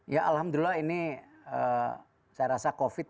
ya alhamdulillah ini saya rasa covid sembilan belas